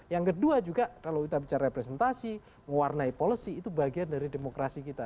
yang kedua juga kalau kita bicara representasi mewarnai policy itu bagian dari demokrasi kita